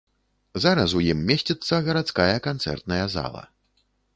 Зараз у ім месціцца гарадская канцэртная зала.